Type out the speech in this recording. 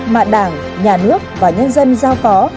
mà đảng nhà nước và nhân dân giao có